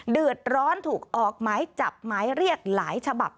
เดือดร้อนถูกออกหมายจับหมายเรียกหลายฉบับ